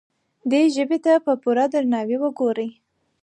دې ژبې ته په پوره درناوي وګورئ.